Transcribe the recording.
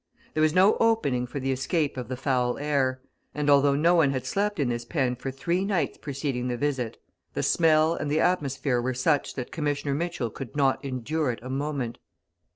There was no opening for the escape of the foul air; and, although no one had slept in this pen for three nights preceding the visit, the smell and the atmosphere were such that Commissioner Mitchell could not endure it a moment.